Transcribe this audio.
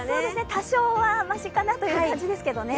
多少はましかなという感じですけどね。